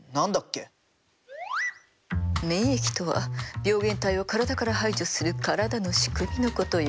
免疫とは病原体を体から排除する体の仕組みのことよ。